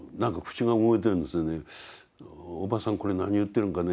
「おばさんこれ何言ってるんかね」